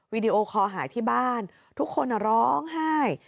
วีดีโอคอหาอยู่ที่บ้านทุกคนน่ะร้องให้